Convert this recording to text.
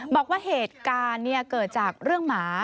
บอกว่าเหตุการณ์เกิดจากเรื่องหมา